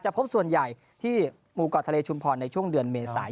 พบส่วนใหญ่ที่หมู่เกาะทะเลชุมพรในช่วงเดือนเมษายน